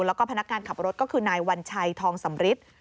แล้วก็พนักงานขับรถก็คือนายวัญชัยทองสำริท